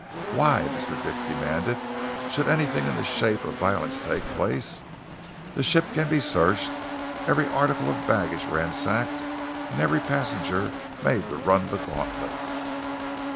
"Why," Mr. Dix demanded, "should anything in the shape of violence take place? The ship can be searched, every article of baggage ransacked, and every passenger made to run the gauntlet."